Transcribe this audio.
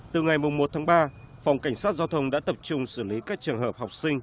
từ ngày một tháng ba phòng cảnh sát giao thông đã tập trung xử lý các trường hợp học sinh